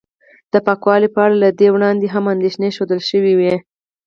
د پاکوالي په اړه له دې وړاندې هم اندېښنې ښودل شوې وې